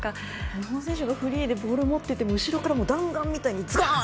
日本の選手がフリーでボール持っていても弾丸みたいにズガン！